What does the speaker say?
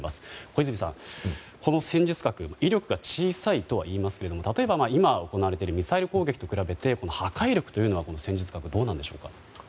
小泉さん、この戦術核威力が小さいとはいいますけど例えば今、行われているミサイル攻撃と比べると破壊力というのは、この戦術核どうなんでしょうか。